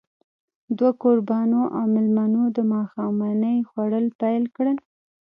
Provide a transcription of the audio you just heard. دوه کوربانو او مېلمنو د ماښامنۍ خوړل پيل کړل.